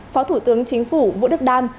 phó thủ tướng chính phủ vũ đức đam